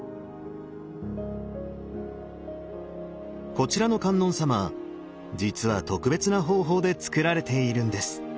こちらの観音様実は特別な方法でつくられているんです。